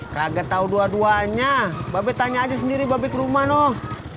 kagak tau dua duanya be tanya aja sendiri be ke rumah noh